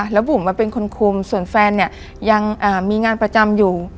แล้วบุ๋มมาเป็นคนคุมส่วนแฟนเนี่ยยังมีงานประจำอยู่